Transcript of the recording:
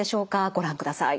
ご覧ください。